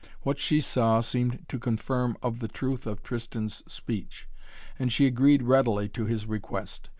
What she saw seemed to confirm of the truth of Tristan's speech, and she agreed readily to his request.